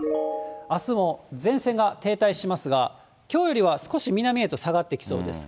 あすも前線が停滞しますが、きょうよりは少し南へと下がってきそうです。